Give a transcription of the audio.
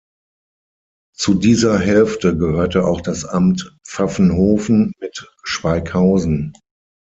Zu dieser Hälfte gehörte auch das Amt Pfaffenhofen mit Schweighausen.